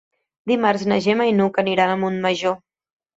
Dimarts na Gemma i n'Hug aniran a Montmajor.